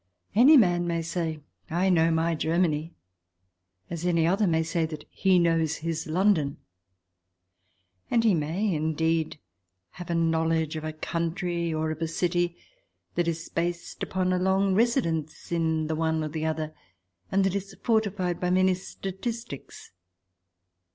Any man may say, " I know my Germany," as any other may say that he knows his London, and he may, indeed, have a knowledge of a country or of a city that is based upon long residence in the one or the other and that is fortified by many statistics.